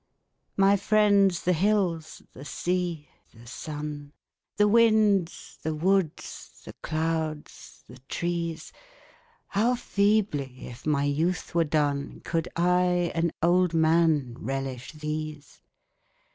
My friends the hills, the sea, the sun, The winds, the woods, the clouds, the trees How feebly, if my youth were done, Could I, an old man, relish these